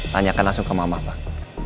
tanyakan langsung ke mama pak